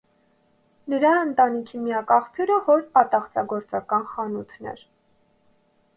Նրա ընտանիքի միակ աղբյուրը հոր ատաղծագործական խանութն էր։